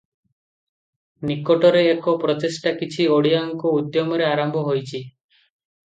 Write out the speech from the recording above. ନିକଟରେ ଏକ ପ୍ରଚେଷ୍ଟା କିଛି ଓଡ଼ିଆଙ୍କ ଉଦ୍ୟମରେ ଆରମ୍ଭ ହୋଇଛି ।